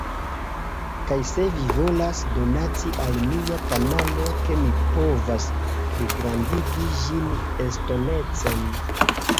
Kaj se vi volas donaci al mia kanalo ke mi povas pligrandigi ĝin estonecen